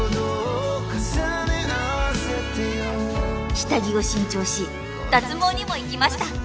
下着を新調し脱毛にも行きました